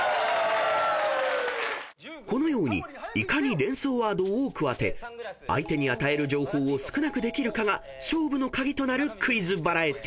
［このようにいかに連想ワードを多く当て相手に与える情報を少なくできるかが勝負の鍵となるクイズバラエティー］